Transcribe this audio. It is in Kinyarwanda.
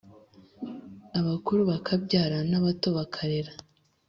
abakuru bakabyara nabato bakarera